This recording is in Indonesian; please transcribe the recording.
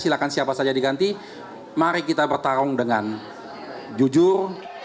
dan siapa saja diganti mari kita bertarung dengan jujur